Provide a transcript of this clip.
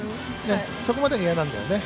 そこまでが嫌なんだよね。